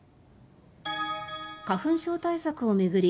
花粉症対策を巡り